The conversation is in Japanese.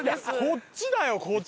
こっちだよこっち！